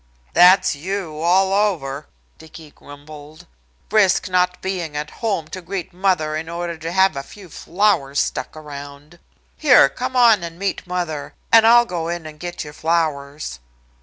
"That's you, all over," Dicky grumbled. "Risk not being at home to greet mother in order to have a few flowers stuck around. Here, come on and meet mother, and I'll go in and get your flowers."